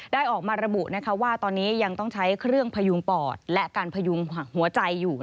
ได้ออกมาระบุว่าตอนนี้ยังต้องใช้เครื่องพยุงปอดและการพยุงหัวใจอยู่